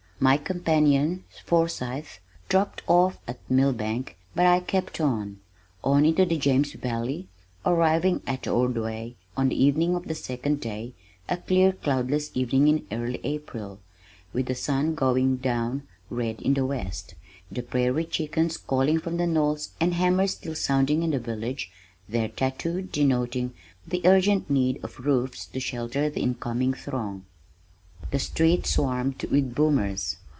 My companion, Forsythe, dropped off at Milbank, but I kept on, on into the James Valley, arriving at Ordway on the evening of the second day a clear cloudless evening in early April, with the sun going down red in the west, the prairie chickens calling from the knolls and hammers still sounding in the village, their tattoo denoting the urgent need of roofs to shelter the incoming throng. The street swarmed with boomers.